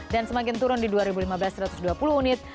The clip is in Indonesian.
dan semakin turun di dua ribu lima belas satu ratus dua puluh unit